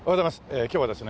え今日はですね